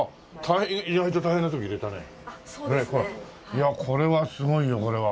いやこれはすごいよこれは。